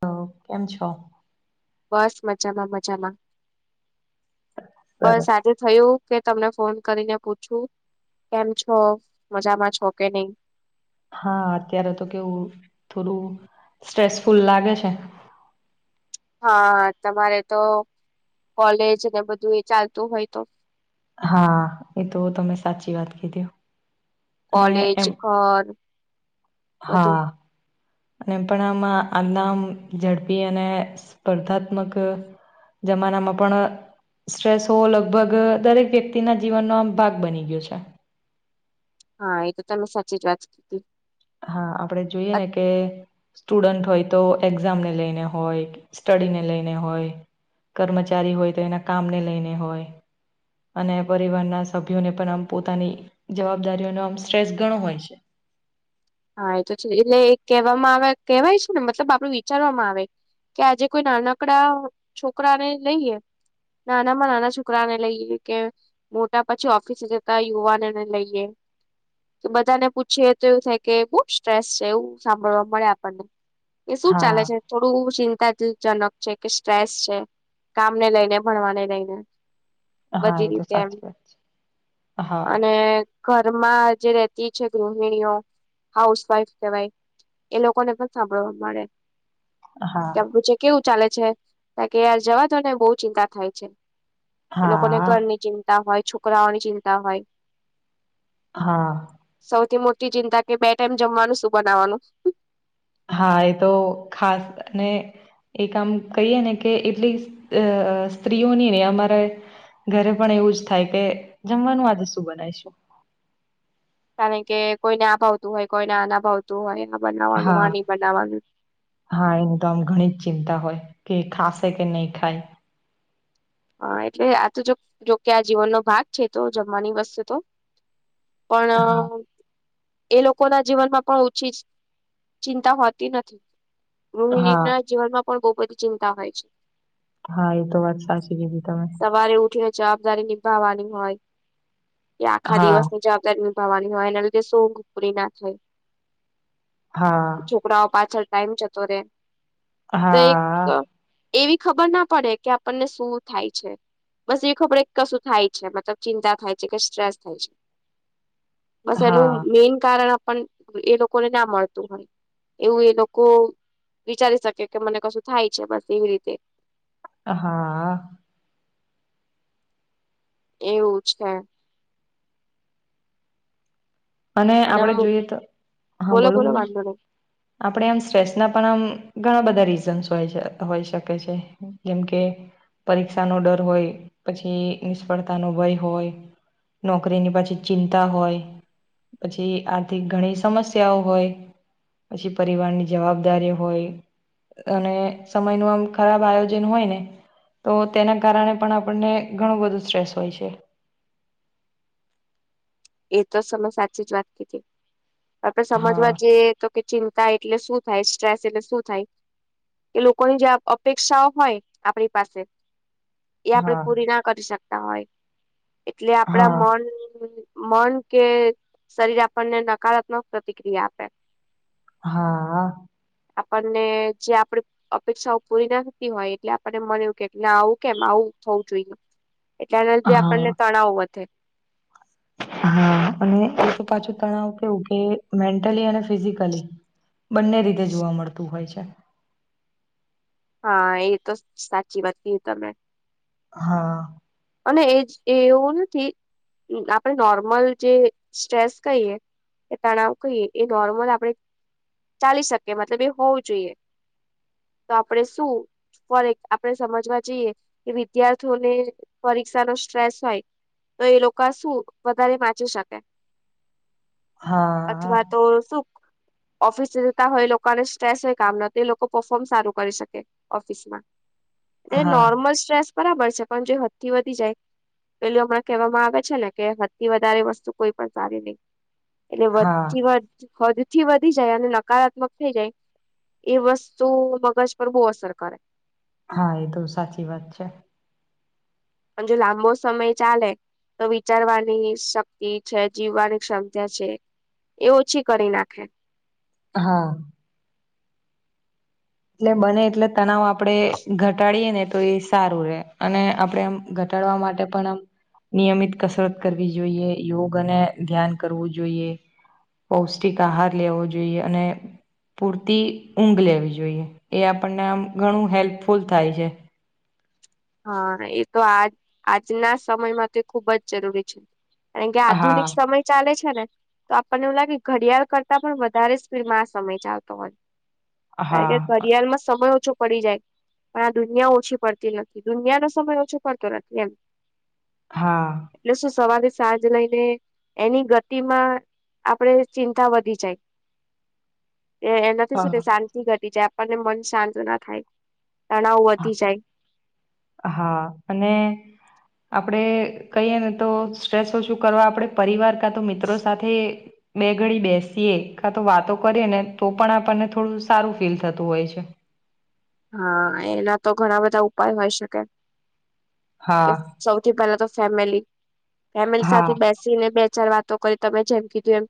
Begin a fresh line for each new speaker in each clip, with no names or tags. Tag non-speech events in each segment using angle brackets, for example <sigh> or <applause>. તો કેમ છો
બસ મજામાં મજામાં બસ
સરસ.
આજે થયું કે તમને ફોન કરીને પૂછું કેમ છો મજામાં છો કે નહી
હા અત્યારે તો કેવું થોડું સ્ટ્રેસફુલ લાગે છે.
<unintelligible> હા તમારે તો કોલેજ ને બધું એ ચાલતું હોય તો
હા એ તો તમે સાચી વાત કીધી. અને
કોલેજ,
એમ
ઘર બધું
હા અને પણ આમાં આનામ ઝડપી અને સ્પર્ધાત્મક જમાનામાં પણ સ્ટ્રેસો લગભગ દરેક વ્યક્તિના જીવનનો આમ ભાગ બની ગયો છે.
હા એ તો તમે સાચી જ વાત કર <inaudible>
હા, આપણે જોઈએ ને કે સ્ટુડન્ટ હોય તો એક્ઝામ ને લઈને હોય, સ્ટડીને લઈને હોય, કર્મચારી હોય તો એના કામને લઈને હોય, અને પરિવારના સભ્યોને પણ આમ પોતાની જવાબદારીઓનો આમ સ્ટ્રેસ ગણો હોય છે.
હા એ તો છે એટલે કેહવામાં આવે કેવાય શું ને મતલબ આપડું વિચારવામાં આવે કે આજે કોઈ નાનકડા છોકરાને લઈએ નાના માં નાના છોકરાને લઈએ કે મોટા પછી ઓફિસે જતા યુવાનોને લઈએ તો બધાને પૂછ્યે તો એવું થાય કે બહુ સ્ટ્રેસ છે એવું સાંભળવા મળે આપણને કે શું ચાલે
હા
છે થોડું જજનક છે કે સ્ટ્રેસ છે કામ ને લઈને ભણવાને લઈને
હા
બધી
એ તો
રીતે એમ
સાચી વાત છે. હા.
અને ઘરમાં જે રહેતી છે ગૃહિણીઓ હાઉસ વાઈફ કેવાય એ લોકોને પણ સાંભળવા મળે
હા હા.
તો પૂછ્યું કેવું ચાલે છે ત કે યાર જવાદોને બહુ ચિંતા થાય છે એ લોકોને ઘરની ચિંતા હોય છોકરાઓની ચિંતા હોય
હા
સૌથી મોટી ચિંતા કે બે ટાઈમ જમવાનું શું બનાવાનું
હા એ તો ખાસ અને એક આમ કહીએ ને કે એટલી સ્ત્રીઓની ને અમારે ઘરે પણ એવું જ થાય કે જમવાનું આજે શું બનાયશું
કારણ કે કોઈને આ ભાવતું હોય કોઈને આ ના ભાવતું હોય બનાવવાનું આ
હા
નહી બનાવવાનું
હા એની તો આમ ઘણી જ ચિંતા હોય કે ખાંસે કે નહી ખાય
હા એટલે આ તો જો જોકે આ જીવનનો ભાગ છે તો જમવાની વસ્તુ તો પણ
હા
એ લોકો ના જીવનમાં પણ ઓછી જ ચિંતા હોતી નથી
હા
ગૃહિણીના જીવનમાં પણ બહુ બધી ચિંતા હોય છે
હા એ તો વાત સાચી કીધી તમે
સવારે ઉઠીને જવાબદારી નિભાવવાની હોય કે આખા
હા
દિવસની જવાબદારી નિભાવાની હોય એના લીધે શું ના થાય
હા.
છોકરાઓ પાછળ ટાઈમ જતોરે
હા
એવી ખબર ના પડે કે આપણને શું થાય છે બસ એવી ખબર કશું થાય છે મતલબ ચિંતા થાય છે કે સ્ટ્રેસ થાય છે બસ એનું
હા
મેન કારણ પણ એ લોકોને ના મળતું હોય એવું એ લોકો વિચારી શકે કે મને કશું થાય છે બસ એવી રીતે
હા
એવું છે
અને આપડે જોઈએ તો હા બોલો બોલો આપણે આમ સ્ટ્રેસના પણ આમ ઘણા બધા રીઝન્સ હોઈ શકે છે જેમકે પરીક્ષાનો ડર હોય પછી નિષ્ફળતાનો ભય હોય નોકરીની પાછી ચિંતા હોય પછી આર્થિક ઘણી સમસ્યાઓ હોય પછી પરિવારની જવાબદારી હોય અને સમયનું આમ ખરાબ આયોજન હોય ને તો તેના કારણે પણ આપણને ઘણું બધું સ્ટ્રેસ હોય છે
એ તો તમે સાચી જ વાત કીધી આપડે
હા
સમજવા જઈએ તો કે ચિંતા એટલે શું થાય સ્ટ્રેસ એટલે શું થાય એ લોકોની જે અપેક્ષાઓ હોય આપણી પાસે એ આપણેે
હા
પૂરી ના કરી શકતા હોય એટલે આપડા
હા
મન મન કે શરીર આપણને નકારાત્મક પ્રતિક્રિયા આપે
હા
આપણને જે આપે અપેક્ષાઓ પૂરી ના થતી હોય એટલે આપણને મળને કે એટલે આવું કેમ આવું થવું જોઈએ એટલે એના લીધે
હા
આપણને તણાવ વધે
હા અને એ તો પાછું તણાવ કેવું કે મેન્ટલી અને ફિઝિકલી બંને રીતે જોવા મળતું હોય છે
હા એ તો સાચી વાત કીધી તમે
હા
અને એજ એવું નથી આપણેે નોર્મલ જે સ્ટ્રેસ કહીએ એ તણાવ કહીએ એ નોર્મલ આપણે ચાલી શકીએ મતલબ એ હોવું જોઈએ તો આપણેે શું ફોર આપણેે સમજવા જઈએ કે વિદ્યાર્થીઓને પરીક્ષા નો સ્ટ્રેસ હોય તો એ લોકો શું વધારે વાંચી શકે
હા
અથવા તો શું ઓફિસ જતા હોય એ લોકોને સ્ટ્રેસ હોય કામ ન એ લોકો પરફોર્મ સારું કરી શકે ઓફિસ માં એટલે
હા
નોર્મલ સ્ટ્રેસ બરાબર છે પણ જે વધી જાય પેલું હમણાં કહેવામાં આવે છે ને કે હથી વધારે વસ્તુ કોઈ પણ સારી નહીિ એટલે
હા
વધ હદથી વધી જાય અને નકારાત્મક થઈ જાય એ વસ્તુ મગજ પર બહુ અસર કરે
હા એ તો સાચી વાત છે.
પણ જો લાંબો સમય ચાલે તો વિચારવાની શક્તિ છે જીવવાની ક્ષમતા છે એ ઓછી કરી નાખે.
હા. એટલે બને એટલે તનાવ આપડે ઘટાડીએેને તો એ સારું રે અને આપણે એમ ઘટાડવા માટે પણ આમ નિયમિત કસરત કરવી જોઈએ, યોગ અને ધ્યાન કરવું જોઈએ. પૌષ્ટિક આહાર લેવો જોઈએ અને પૂરતી ઊંઘ લેવી જોઈએ. એ આપણને આમ ઘણું હેલ્પફુલ થાય છે.
હા, એ તો આ આજના સમયમાં તે ખુબ જ જરૂરી છે. કારણ કે
હા
આધુનિક સમય ચાલે છે ને તો આપણને એવું લાગે ઘડિયાળ કરતા પણ વધારે સ્પીડમાં આ સમય ચાલતો હોય. કારણ
હા
કે ઘડિયાળમાં સમય ઓછો પડી જાય પણ આ દુનિયા ઓછી પડતી ન દુનિયાનો સમય ઓછો પડતો નથી એમ
હા
એટલે શું સવારે સાંજ લઈને એની ગતિમાં આપણેે ચિંતા વધી જાય. <inaudible> એ એનાથી શું
હા
કેય શાંતિ ઘટી જાય આપણને મન શાંત ના થાય, તણાવ વધી જાય.
હા અને આપડે કહીએ ને તો સ્ટ્રેસ ઓછું કરવા આપડે પરિવાર કા તો મિત્રો સાથે બે ઘડી બેસીએ કા તો વાતો કરીએ ને તો પણ આપણને થોડું સારું ફીલ થતું હોય છે.
હા એના તો ઘણા બધા ઉપાય હોય શકે. કે
હા
સૌથી પહેલા તો ફેમિલી ફેમિલી
હા
સાથે બેસીને બે ચાર વાતો ક તમે જેમ કીધું એમ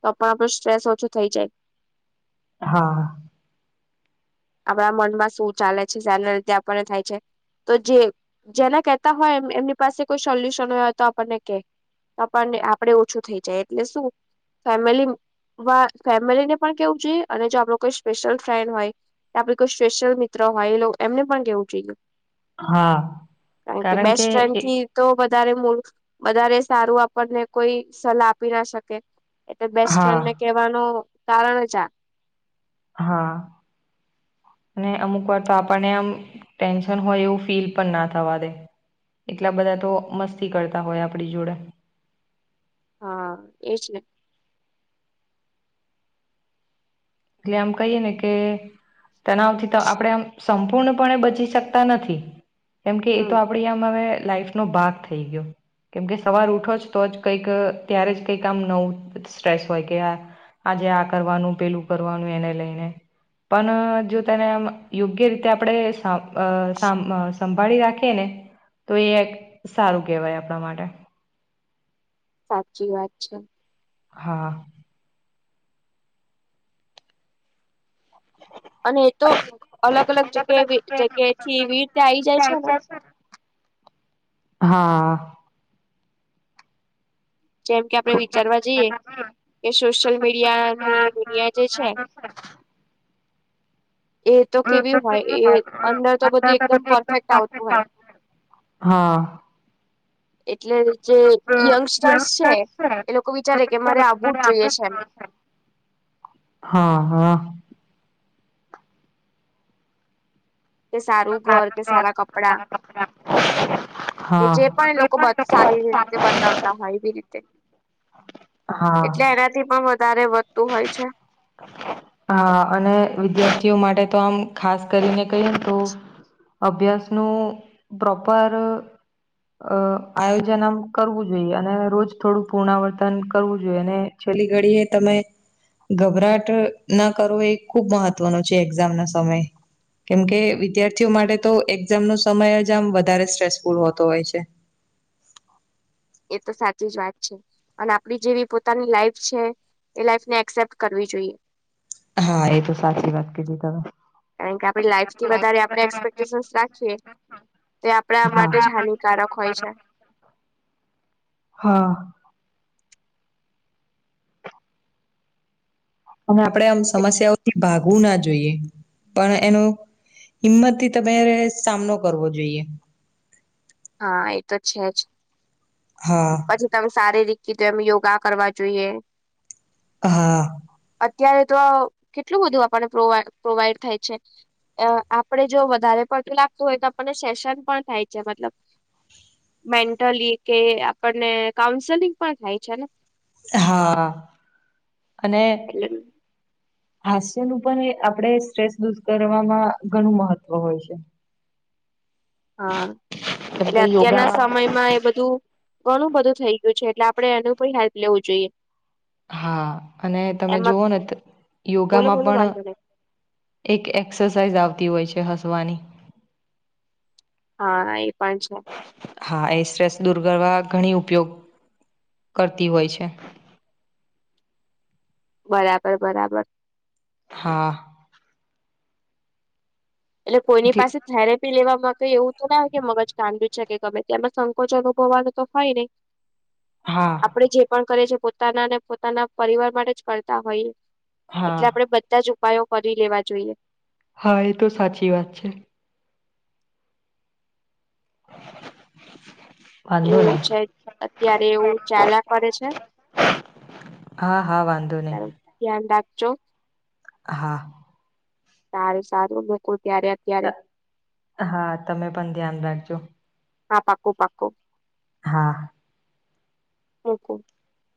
તો પણ આપણો સ્ટ્રેસ ઓછો થઈ જાય.
હા.
આપણા મનમાં શું ચાલે છે શાના લીધે આપણને થાય છે. તો જે જેને કેહતા હોય એમની પાસે કોઈ સોલ્યુશન હોય તો આપણને કે તો પણ આપણે ઓછું થઈ જાય એટલે શું ફેમિલી વા ફેમિલીને પણ કેહવું જોઈએ અને જો આપણો કોઈ સ્પેશિયલ ફ્રેન્ડ હોય આપણે કોઈ સ્પેશિયલ મિત્ર હોય એ એમને પણ કેવું જોઈએ.
હા
કારણ કે બેસ્ટ ફ્રેન્ડથી તો બ વધારે વધારે સારું આપણને કોઈ સલાહ આપી ના શકે. એટલે બેસ્ટ
હા
ફ્રેન્ડને કેહવાનું કારણ જ આ.
હા. અને અમુક વાર તો આપણને આમ ટેન્શન હોય એવું ફીલ પણ ના થવા દે. એટલા બધા તો મસ્તી કરતા હોય આપણી જોડે.
હા, એજ ને.
એટલે આમ કહીએ ને કે તનાવથી તો આપણેે આમ સંપૂર્ણપણે બચી શકતા નથી. કેમકે
હમ
એતો આપણી આમ હવે લાઈફનો ભાગ થઈ ગયો. કેમકે સવાર ઉઠો જ તો જ કંઈક ત્યારે જ કંઈક આમ નવું સ્ટ્રેસ હોય કે આ આજે આ કરવાનું પેલું કરવાનું એને લઈને પણ જો તેને આમ યોગ્ય રીતે આપણે અ સામ અ સામ સંભાળી રાખીએ ને તો એ સારું કહેવાય આપણા માટે.
સાચી વાત છે.
હા.
અને એ તો અલગ-અલગ જગ્યા જગ્યાએથી વી રીતે આઈ જાય છે ને.
હા.
જેમ કે આપણે વિચારવા જઈએ કે સોશિયલ મીડિયાની દુનિયા જે છે. એ તો કેવી હોય એ અંદર તો બધું એકદમ પરફેક્ટ આવતું હોય.
હા.
એટલે જે યંગસ્ટર્સ છે. એ લોકો વિચારે કે મારે આવવું જ જોઈએ છે, એમ
હા હા
કે સારું ઘર કે સારા કપડા કે
હા.
જે પણ એ લોકો સારી રીતે બતાવતા હોય એવી રીતે
હા.
થી પણ વધારે વધતું હોય છે.
હા અને વિદ્યાર્થીઓ માટે તો આમ ખાસ કરીને કહીને તો અભ્યાસનું પ્રોપર અ આયોજન આમ કરવું જોઈએ અને રોજ થોડું પુનરાવર્તન કરવું જોઈએ અને પેલી ઘડી એ તમે ગભરાટ ના કરવો એ ખુબ મહત્વનો છે, એક્ઝામના સમય કેમકે વિદ્યાર્થીઓ માટે તો એક્ઝામનો સમય જ આમ વધારે સ્ટ્રેસફુલ હોતો હોય છે.
એતો સાચી જ વાત છે, અને આપડી જેવી પોતાની લાઈફ છે. એ લાઈફ ને એક્સેપ્ટ કરવી જોઈએ
હા એ તો સાચી વાત કીધી તમે
કારણ કે આપડી લાઈફથી વધારે આપડે એક્સપેક્ટેશનસ રાખીએ તે આપણે આ માટે જ હાનિકારક હોય છે.
હા. અને આપણે આમ
છે
સમસ્યાઓથી ભાગવું ના જોઈએ પણ એનું હિંમતથી તમે સામનો કરવો જોઈએ
હા એ તો છે, જ
હા
પછી તમે સારી રી કે તો એમ યોગા કરવા જોઈએ
હા.
અત્યારે તો આ કેટલું બધું આપણને પ્રો પ્રોવાઈડ થાય છે. અ આપડે જો વધારે પડતું લાગતું હોય તો આપણને સેશન પણ થાય છે, મતલબ મેન્ટલી કે આપણને કાઉન્સેલિંગ પણ થાય છે, ને
હા અને
એટલે
હાસ્યનું પણ આપણે સ્ટ્રેસ દૂર કરવામાં ઘણું મહત્વ હોય છે.
હા
કેમ
એટલે
કે
અત્યારના
યોગામાં
સમયમાં એ બધું ઘણું બધું થઈ ગયું છે, એટલે આપડે એનું કોઈ હેલ્પ લેવું જોઈએ
હા અને તમે
એમાં
જોવો ને
બોલો
યોગામાં
બોલો
પણ
વાંધો નહી
એક એક્સરસાઇઝ આવતી હોય છે, હસવાની
હા એ પણ છે.
ગરવા ઘણી ઉપયોગ કરતી હોય છે.
બરાબર, બરાબર,
હા.
એટલે કોઈની પાસે થેરેપી લેવા એમાં તો એવું તો ના હોય કે મગજ ગાદુ છે, કે ગમે તેમાં સંકોચ અનુભવાનું તો હોય નય
હા
આપણેે જે પણ કરીએ પોતાનાને પોતાના પરિવાર માટે જ કરતા હોઈએ એટલે
હા
આપણેે બધા જ ઉપાયો કરી લેવા જોઈએ
હા એ તો સાચી વાત છે. વાંધો
એવું
નહી
છે, અત્યારે એવું ચાલા કરે છે.
હા હા વાંધો ની
ચો
હા
સાર સારું બકુલ
હા તમે પણ ધ્યાન રાખજો.
હા પાકું પાકું
હા
<unintelligible>